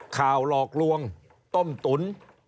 ข่าวหลอกลวงต้มตุ๋น